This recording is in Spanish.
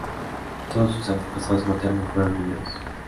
Todos sus antepasados maternos fueron mineros.